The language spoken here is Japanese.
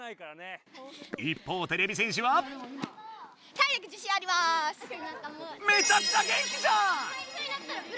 一方てれび戦士はめちゃくちゃ元気じゃん！